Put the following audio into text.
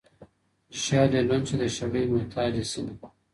چي شال يې لوند سي د شړۍ مهتاجه سينه